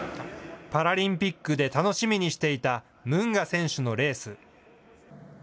パラリンピックで楽しみにしてしていたムンガ選手のレース。